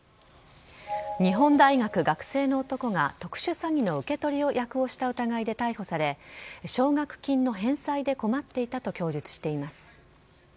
日本大学学生の男が特殊詐欺の受け取り役をした疑いで逮捕され奨学金の返済で困っていたと供述しています。